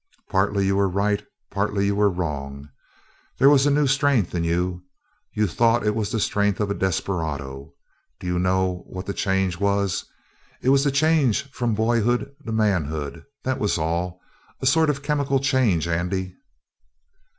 "Partly you were right, partly you were wrong. There was a new strength in you. You thought it was the strength of a desperado. Do you know what the change was? It was the change from boyhood to manhood. That was all a sort of chemical change, Andy.